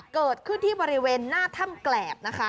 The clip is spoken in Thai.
เกิดขึ้นที่บริเวณหน้าถ้ำแกรบนะคะ